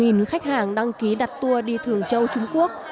khoảng một khách hàng đăng ký đặt tour đi thưởng châu trung quốc